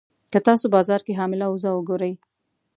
که تاسو بازار کې حامله اوزه وګورئ.